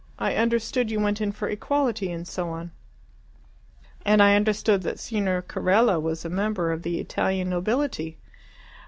I understood you went in for equality and so on." "And I understood that Signor Carella was a member of the Italian nobility."